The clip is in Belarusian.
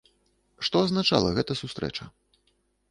Што азначала гэта сустрэча?